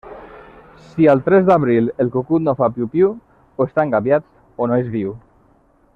Si al tres d'abril, el cucut no fa piu-piu, o està engabiat o no és viu.